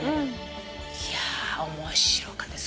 いや面白かった。